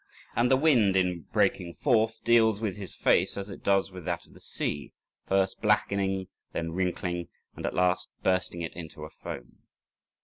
And the wind in breaking forth deals with his face as it does with that of the sea, first blackening, then wrinkling, and at last bursting it into a foam.